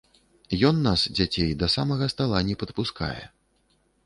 Ён нас, дзяцей, да самага стала не падпускае.